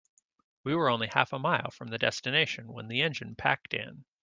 We were only half a mile from the destination when the engine packed in.